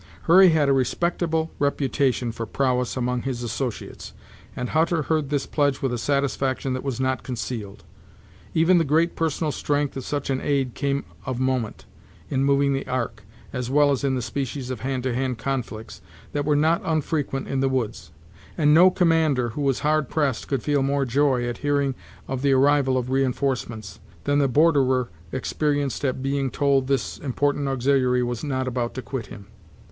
Hurry had a respectable reputation for prowess among his associates, and Hutter heard this pledge with a satisfaction that was not concealed. Even the great personal strength of such an aid became of moment, in moving the ark, as well as in the species of hand to hand conflicts, that were not unfrequent in the woods; and no commander who was hard pressed could feel more joy at hearing of the arrival of reinforcements, than the borderer experienced at being told this important auxiliary was not about to quit him.